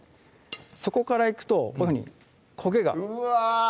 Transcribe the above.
底からいくとこういうふうにこげがうわ！